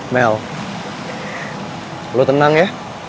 mel lo tenang ya